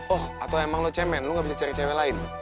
oh atau emang lo cemen lo gak bisa cari cewek lain